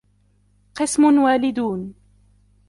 قِسْمٌ وَالِدُونَ